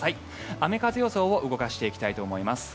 雨風予想を動かしていきたいと思います。